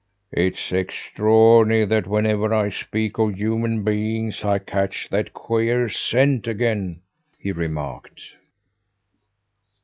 "It's extraordinary that whenever I speak of human beings I catch that queer scent again," he remarked.